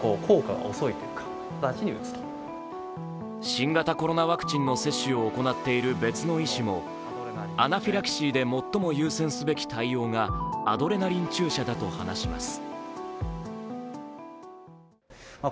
新型コロナワクチンの接種を行っている別の医師もアナフィラキシーで最も優先すべき対応が、アドレナリン注射だと話します。